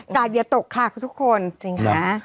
การจ์อย่าตกค่ะทุกคน